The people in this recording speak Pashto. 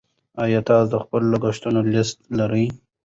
ایا تاسو د خپلو لګښتونو لیست لرئ.